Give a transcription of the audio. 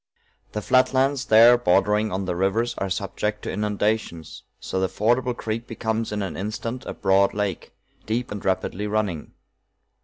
"The flat lands there bordering on the rivers are subject to inundations, so the fordable creek becomes in an instant a broad lake, deep and rapidly running.